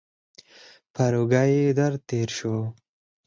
پر اوږه یې درد تېر شو.